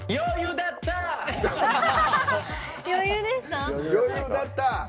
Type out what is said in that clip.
余裕だった！